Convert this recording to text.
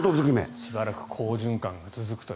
しばらく好循環が続くと。